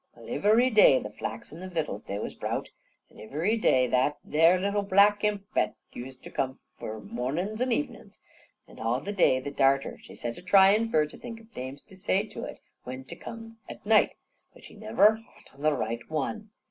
Well, ivery day the flax an' the vittles, they was browt, an' ivery day that there little black impet used for to come mornin's and evenin's. An' all the day the darter, she set a tryin' fur to think of names to say to it when te come at night. But she niver hot on the right one.